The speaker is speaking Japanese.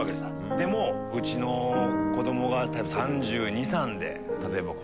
でもうちの子どもが３２３３歳で例えば。